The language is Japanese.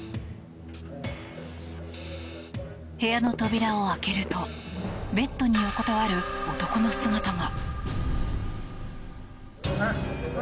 部屋の扉を開けるとベッドに横たわる男の姿が。